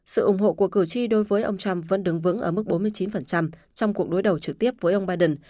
sự ủng hộ của cử tri đối với ông trump vẫn đứng vững ở mức bốn mươi chín trong cuộc đối đầu trực tiếp với ông biden